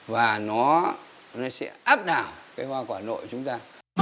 và nó sẽ áp đảo cái hoa quả nội của chúng ta